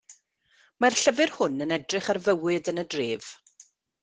Mae'r llyfr hwn yn edrych ar fywyd yn y dref.